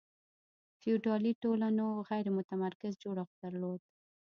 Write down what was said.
فیوډالي ټولنو غیر متمرکز جوړښت درلود.